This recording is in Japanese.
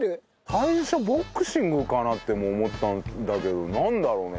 最初ボクシングかなって思ったんだけどなんだろうね？